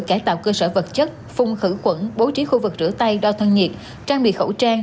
cải tạo cơ sở vật chất phun khử khuẩn bố trí khu vực rửa tay đo thân nhiệt trang bị khẩu trang